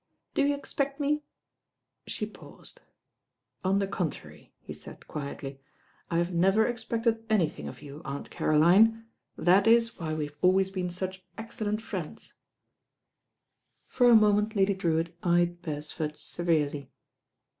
"Do you expect me " she paused. "On the contrary," he said quietly, "I have never expected anything of you. Aunt Caroline. Th it is why we have always been such excellent friends." 01 \ LADY DREWITT SPEAKS HER MIND 108 For a moment Lady Drewitt eyed Beresford se verely.